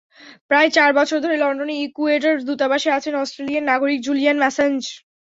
প্রায় চার বছর ধরে লন্ডনে ইকুয়েডর দূতাবাসে আছেন অস্ট্রেলিয়ান নাগরিক জুলিয়ান অ্যাসাঞ্জ।